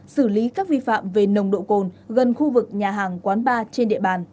xử lý các vi phạm về nồng độ cồn gần khu vực nhà hàng quán bar trên địa bàn